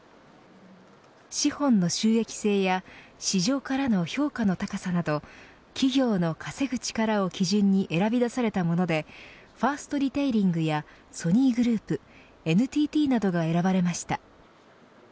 資本の収益性や市場からの評価の高さなど企業の稼ぐ力を基準に選び出されたものでファーストリテイリングやソニーグループＮＴＴなどが選ばれました。